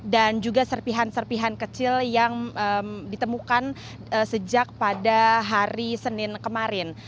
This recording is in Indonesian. dan juga serpihan serpihan kecil yang ditemukan sejak pada hari senin kemarin